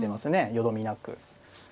よどみなく。